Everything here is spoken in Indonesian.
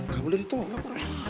gak boleh ditolak